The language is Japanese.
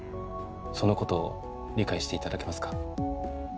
そのことを理解していただけますか？